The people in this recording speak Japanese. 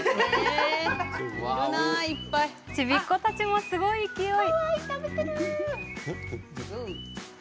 ちびっこたちも、すごい勢い。